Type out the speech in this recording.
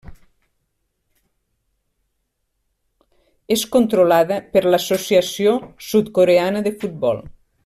És controlada per l'Associació Sud-Coreana de Futbol.